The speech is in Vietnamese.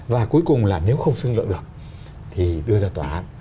và cuối cùng là nếu không thương lượng được thì đưa ra tòa án